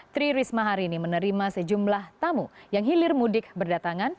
tri risma hari ini menerima sejumlah tamu yang hilir mudik berdatangan